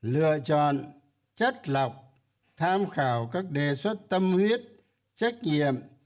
lựa chọn chất lọc tham khảo các đề xuất tâm huyết trách nhiệm